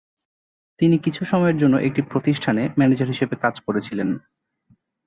তিনি কিছু সময়ের জন্য একটি প্রতিষ্ঠানে ম্যানেজার হিসাবে কাজ করেছিলেন।